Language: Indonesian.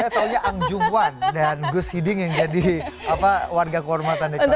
saya taunya ang jung wan dan gus hiding yang jadi warga kehormatan di korea selatan